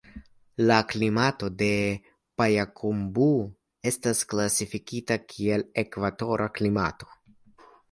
La klimato de Pajakumbuh estas klasifikita kiel ekvatora klimato.